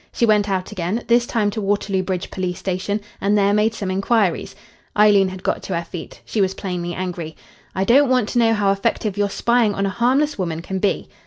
She went out again this time to Waterloo Bridge police station and there made some inquiries " Eileen had got to her feet. She was plainly angry. "I don't want to know how effective your spying on a harmless woman can be."